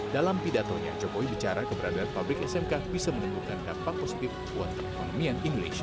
dalam pidatonya jokowi bicara keberadaan pabrik smk bisa menemukan dampak positif untuk ekonomi indonesia